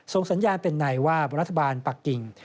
สัญญาณเป็นในว่ารัฐบาลปักกิ่ง